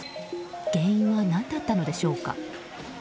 原因は何だったのでしょうか。